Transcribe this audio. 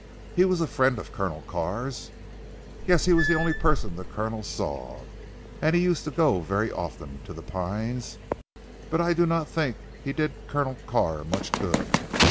He was a friend of Colonel Carr's?" "Yes, he was the only person the Colonel saw, and he used to go very often to 'The Pines.' But I do not think he did Colonel Carr much good."